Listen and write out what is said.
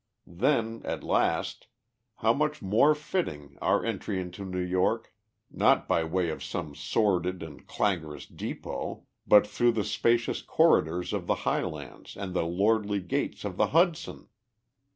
Then, at last, ... how much more fitting our entry into New York, not by way of some sordid and clangorous depot, but through the spacious corridors of the Highlands and the lordly gates of the Hudson!"